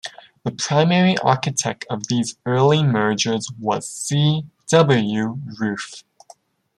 The primary architect of these early mergers was C. W. Ruth.